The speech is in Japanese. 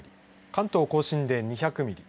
関東甲信で２００ミリ